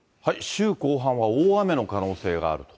週後半は大雨の可能性があると。